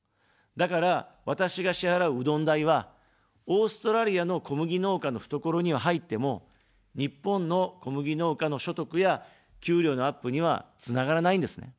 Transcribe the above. だから、私が支払う、うどん代は、オーストラリアの小麦農家の懐には入っても、日本の小麦農家の所得や給料のアップにはつながらないんですね。